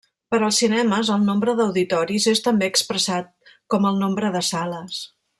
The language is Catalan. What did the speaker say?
Per als cinemes, el nombre d'auditoris és també expressat com el nombre de sales.